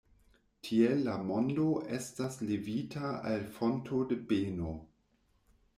Tiel la mondo estas levita al fonto de beno.